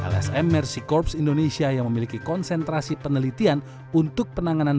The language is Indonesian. lsm mersi korps indonesia yang memiliki konsentrasi penelitian untuk penanganan